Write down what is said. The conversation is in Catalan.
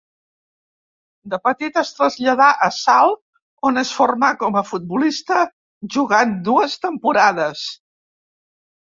De petit es traslladà a Salt on es formà com a futbolista, jugant dues temporades.